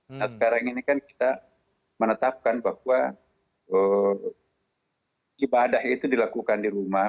nah sekarang ini kan kita menetapkan bahwa ibadah itu dilakukan di rumah